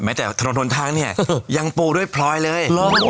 จากถนนทนทางเนี่ยยังปูด้วยพลอยเลย